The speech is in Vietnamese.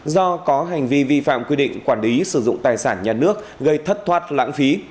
do có hành vi vi phạm quy định quản lý sử dụng tài sản nhà nước gây thất thoát lãng phí